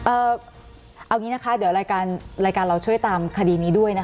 เอาอย่างนี้นะคะเดี๋ยวรายการรายการเราช่วยตามคดีนี้ด้วยนะคะ